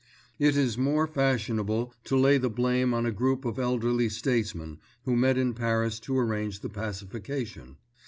It is more fashionable to lay the blame on a group of elderly statesmen who met in Paris to arrange the pacification.